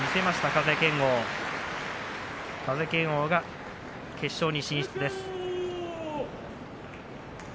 風賢央が決勝に進出です。